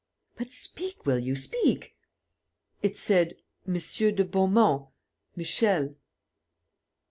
"But speak, will you? Speak!" "It said, 'Monsieur de Beaumont, Michel.